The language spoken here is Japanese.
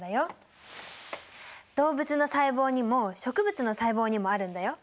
動物の細胞にも植物の細胞にもあるんだよ。